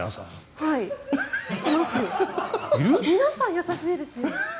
皆さん優しいですよ。